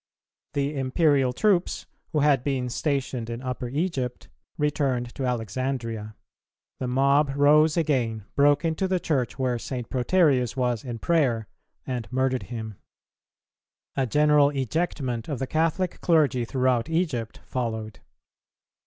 The Imperial troops, who had been stationed in Upper Egypt, returned to Alexandria; the mob rose again, broke into the Church, where St. Proterius was in prayer, and murdered him. A general ejectment of the Catholic clergy throughout Egypt followed.